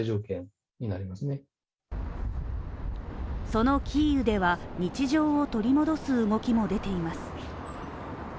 そのキーウでは日常を取り戻す動きも出ています。